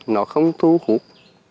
nó không thu hút